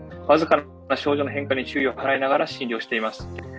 僅かな症状の変化に注意を払いながら診療しています。